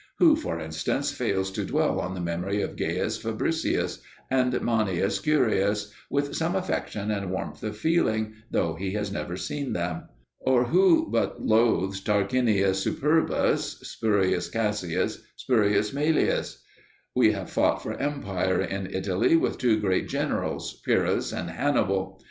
Who, for instance, fails to dwell on the memory of Gaius Fabricius and Manius Curius with some affection and warmth of feeling, though he has never seen them? Or who but loathes Tarquinius Superbus, Spurius Cassius, Spurius Maelius? We have fought for empire in Italy with two great generals, Pyrrhus and Hannibal.